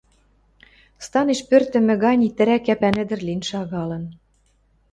станеш пӧртӹмӹ гань итӹрӓ кӓпӓн ӹдӹр лин шагалын.